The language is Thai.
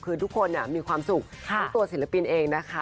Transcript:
คือทุกคนมีความสุขทั้งตัวศิลปินเองนะคะ